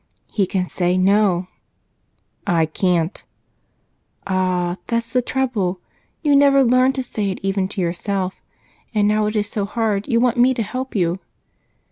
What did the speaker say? "He can say 'no.'" "I can't." "Ah, that's the trouble! You never learned to say it even to yourself, and now it is so hard, you want me to help you."